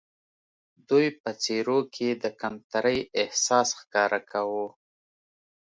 دوی په څېرو کې د کمترۍ احساس ښکاره کاوه.